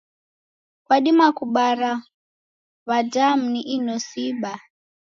Kudima kubara w'adamu ni inosi ibaa.